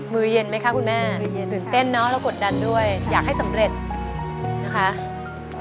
มือเย็นไหมคะคุณแม่ตื่นเต้นเนอะเรากดดันด้วยอยากให้สำเร็จนะคะ